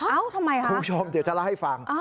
ทำไมคะคุณผู้ชมเดี๋ยวจะเล่าให้ฟัง